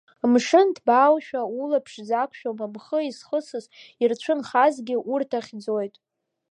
Мшын ҭбааушәа, улаԥш закәшом амхы изхысыз, ирцәынхазгьы урҭ ахьӡоит.